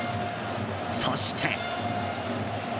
そして。